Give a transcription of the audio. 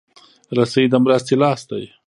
رسۍ د مرستې لاس دی.